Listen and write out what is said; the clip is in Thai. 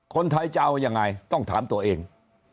คนไทยจะเอายังไงต้องถามตัวเอง